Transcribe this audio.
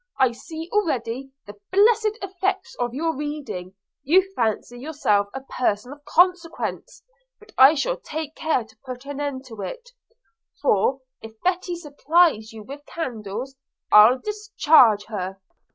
– I see already the blessed effects of your reading – you fancy yourself a person of consequence: but I shall take care to put an end to it; for, if Betty supplies you with candles, I'll discharge her.'